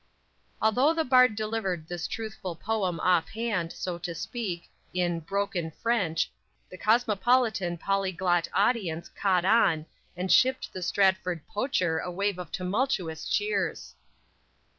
_ Although the Bard delivered this truthful poem off hand, so to speak, in "broken" French, the cosmopolitan, polyglot audience "caught on" and "shipped" the Stratford "poacher" a wave of tumultuous cheers!